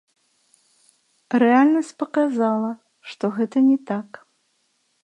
Рэальнасць паказала, што гэта не так.